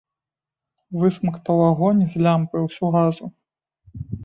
Высмактаў агонь з лямпы ўсю газу.